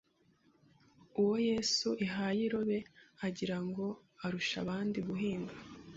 Uwo Yesu ihaye irobe, agira ngo arusha abandi guhinga